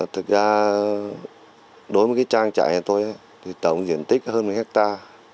thực ra đối với trang trại tôi tổng diện tích hơn một hectare